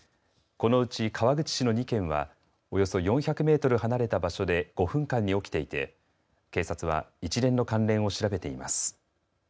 このうち川口市の２件はおよそ４００メートル離れた場所で５分間に起きていて警察は一連の関連を調べています。